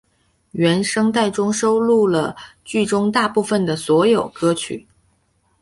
原声带中收录了剧中大部份的所有歌曲。